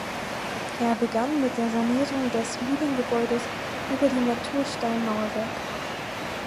Er begann mit der Sanierung des Mühlengebäudes über dem Natursteinmauerwerk.